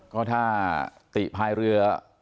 ก็ถ้าติพายเรือ